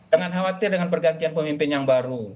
jangan khawatir dengan pergantian pemimpin yang baru